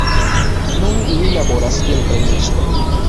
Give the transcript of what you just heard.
Nun li laboras kiel trejnisto.